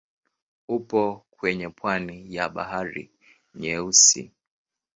Upo kwenye pwani ya Bahari Nyeusi.